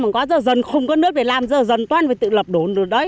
mà quá giờ dần không có nước để làm giờ dần toàn phải tự lập đổn rồi đấy